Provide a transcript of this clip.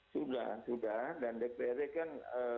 sudah sudah dan dprd kan